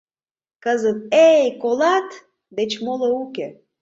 Кызыт «эй, колат!» деч моло уке.